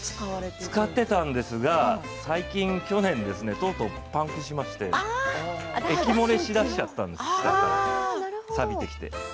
使っていたんですが最近、去年とうとうパンクしまして液漏れしだしてしまったんですさびてきて。